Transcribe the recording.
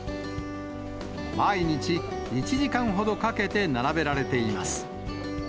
毎日１時間ほどかけて並べられています。